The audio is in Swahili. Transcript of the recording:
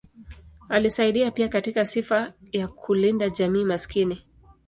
Alisaidia pia katika sifa ya kulinda jamii maskini.